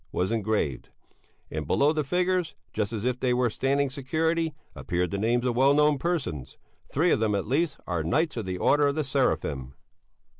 was engraved; and below the figures, just as if they were standing security, appeared the names of well known persons; three of them, at least, are knights of the Order of the Seraphim.